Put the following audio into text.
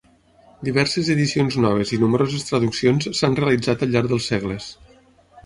Diverses edicions noves i nombroses traduccions s'han realitzat al llarg dels segles.